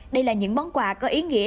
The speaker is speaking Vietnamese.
đây là những món quà có ý nghĩa